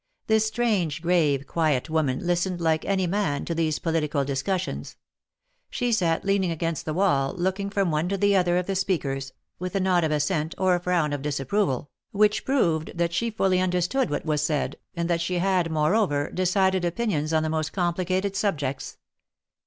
This strange, grave, quiet woman listened like any man, to these political discus sions. She sat leaning against the wall, looking from one to the other of the speakers, with a nod of assent or a frown of disapproval, which proved that she fully under stood what was said, and that she had, moreover, decided opinions on the most complicated subjects.